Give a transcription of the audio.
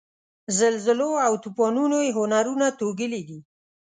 زلزلو او توپانونو یې هنرونه توږلي دي.